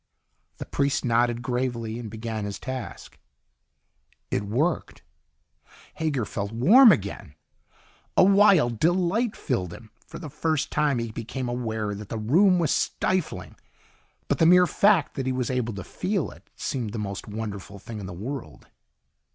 The priest nodded gravely and began his task. It worked. Hager felt warm again. A wild delight filled him. For the first time he became aware that the room was stifling, but the mere fact that he was able to feel it seemed the most wonderful thing in the world.